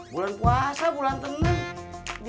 bulan puasa bulan tenang